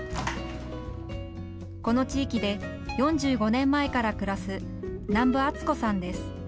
この地域で４５年前から暮らす南部篤子さんです。